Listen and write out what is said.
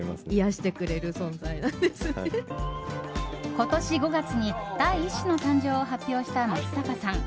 今年５月に第１子の誕生を発表した松坂さん。